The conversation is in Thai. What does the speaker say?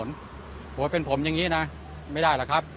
ผู้ว่าเป็นผมอย่างงี้นะไม่ได้แล้วครับ